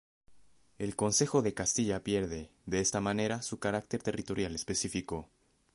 El Consejo de Castilla pierde, de esta manera, su carácter territorial específico.